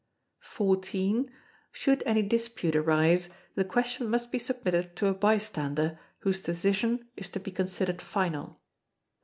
] xiv. Should any dispute arise, the question must be submitted to a bystander, whose decision is to be considered final.